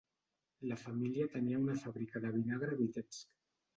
La família tenia una fàbrica de vinagre a Vitebsk.